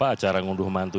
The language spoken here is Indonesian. acara ngunduh mantu